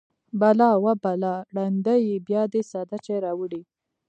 _بلا! وه بلا! ړنده يې! بيا دې ساده چای راوړی.